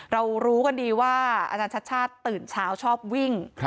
รู้กันดีว่าอาจารย์ชัดชาติตื่นเช้าชอบวิ่ง